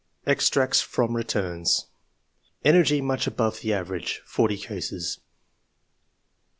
Extracts from Returns. ENERGY MUCH ABOVE THE AVERAGE FORTY CASES.